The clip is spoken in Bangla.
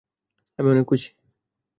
আমি অনেক খুশি।